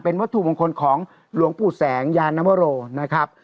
วัตถุมงคลของหลวงปู่แสงยานวโรนะครับ